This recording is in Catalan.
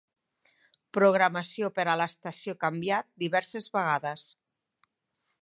Programació per a l'estació canviat diverses vegades.